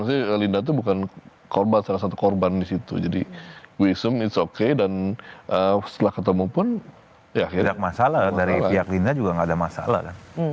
misalnya linda tuh bukan korban salah satu korban di situ jadi gue iseng it s oke dan setelah ketemu pun ya tidak masalah dari pihak linda juga tidak ada masalah ya